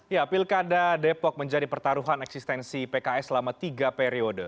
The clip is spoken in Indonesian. ya pilkada depok menjadi pertaruhan eksistensi pks selama tiga periode